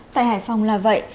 tại hải phòng là vậy